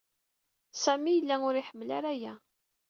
Sami yella ur iḥemmel ara aya.